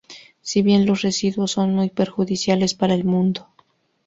Si bien los residuos son muy perjudiciales para el mundo.